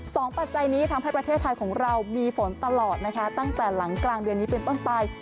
ปัจจัยนี้ทำให้ประเทศไทยของเรามีฝนตลอดนะคะตั้งแต่หลังกลางเดือนนี้เป็นต้นไป